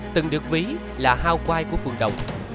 từng được ví là hao quai của phương đồng